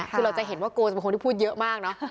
คือเราจะเห็นว่าโกจะเป็นคนที่พูดเยอะมากเนอะ